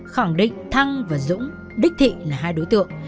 khẳng định thăng và dũng đích thị là hai đối tượng